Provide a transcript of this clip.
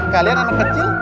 kalian anak kecil